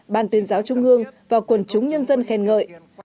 ban tuyên giáo trung ương và quần chúng nhân dân khen ngợi